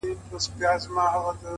راوتلی تر اوو پوښو اغاز دی-